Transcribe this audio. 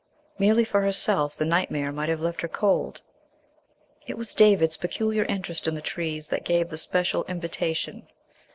Merely for herself, the nightmare might have left her cold. It was David's peculiar interest in the trees that gave the special invitation.